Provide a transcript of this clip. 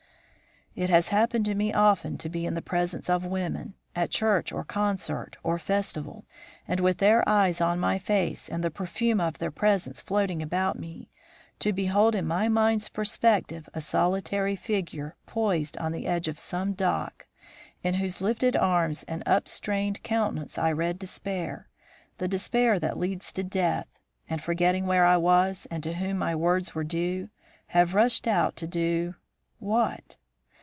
"It has happened to me often to be in the presence of women, at church or concert or festival, and with their eyes on my face and the perfume of their presence floating about me, to behold in my mind's perspective a solitary figure poised on the edge of some dock, in whose lifted arms and upstrained countenance I read despair, the despair that leads to death; and, forgetting where I was and to whom my words were due, have rushed out to do what?